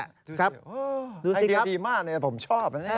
ดูซิครับไอเดียดีมากเนี่ยผมชอบน่ะ